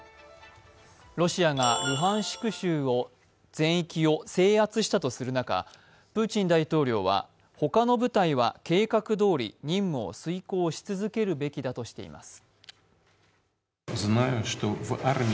ロシアがルハンシク州全域を制圧したとする中、プーチン大統領はほかの部隊は計画どおり任務を遂行し続けるべきだとしています。